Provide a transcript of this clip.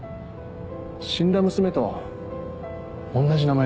死んだ娘と同じ名前でね。